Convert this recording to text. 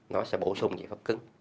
nó sẽ bổ sung giải pháp cứng